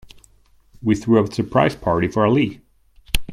We threw a surprise birthday party for Ali.